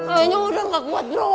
ayahnya udah gak kuat bro